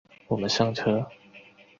我们上车